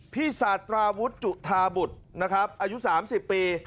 พี่สาตราวุฒิจุธาบุตรนะครับอายุ๓๐ปี